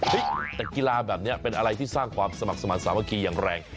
แต่กีฬาแบบนี้เป็นอะไรที่สร้างความสมัครสมาธิสามัคคีอย่างแรง